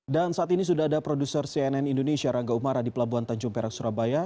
dan saat ini sudah ada produser cnn indonesia rangga umara di pelabuhan tanjung perak surabaya